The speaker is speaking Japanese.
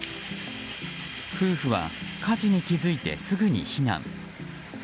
夫婦は火事に気付いてすぐに避難。